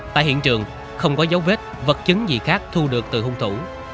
tại hiện trường không có dấu vết vật chứng gì khác thu được từ hung thủ